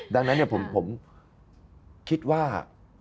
ดังนั้นผมคิดว่า